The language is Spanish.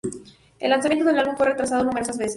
El lanzamiento del álbum fue retrasado numerosas veces.